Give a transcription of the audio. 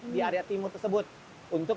di area timur tersebut untuk